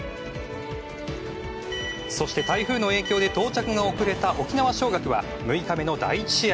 台風の影響で到着が遅れた沖縄尚学は６日目の第１試合。